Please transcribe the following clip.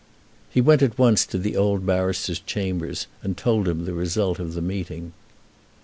He went at once to the old barrister's chambers and told him the result of the meeting.